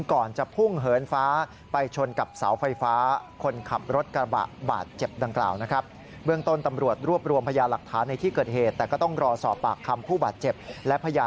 ก่อนจะพุ่งเหินฟ้าไปชนกับเสาไฟฟ้า